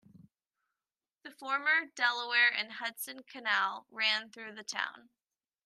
The former Delaware and Hudson Canal ran through the town.